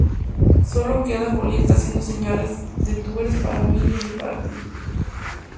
Sólo queda Julieta haciendo señales de Tu Eres Para Mí Yo Soy Para Ti.